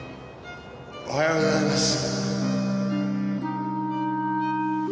おはようございます。